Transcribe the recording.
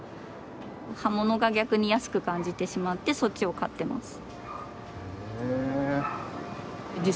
葉物が逆に安く感じてしまってそっちを買ってます。